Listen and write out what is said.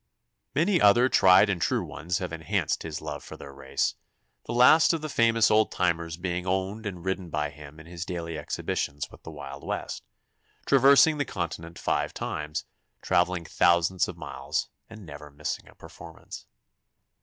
Many other tried and true ones have enhanced his love for their race, the last of the famous old timers being owned and ridden by him in his daily exhibitions with the Wild West, traversing the continent five times, traveling thousands of miles, and never missing a performance.